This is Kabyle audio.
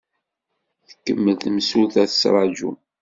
Tkemmel temsulta tettṛaju.